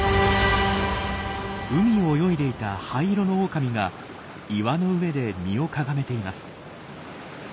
海を泳いでいた灰色のオオカミが岩の上で身をかがめています。